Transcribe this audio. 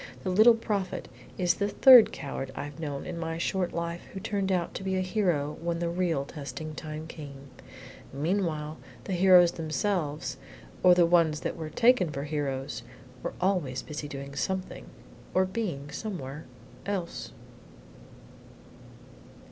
"The Little Prophet is the third coward I have known in my short life who turned out to be a hero when the real testing time came. Meanwhile the heroes themselves or the ones that were taken for heroes were always busy doing something, or being somewhere, else."